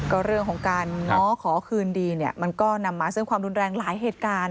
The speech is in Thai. ก็เรื่องของการง้อขอคืนดีเนี่ยมันก็นำมาซึ่งความรุนแรงหลายเหตุการณ์